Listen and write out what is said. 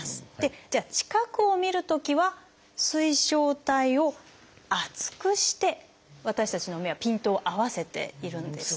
じゃあ近くを見るときは水晶体を厚くして私たちの目はピントを合わせているんですね。